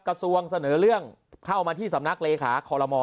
กระทรวงเสนอเรื่องเข้ามาที่สำนักเลขาคอลโม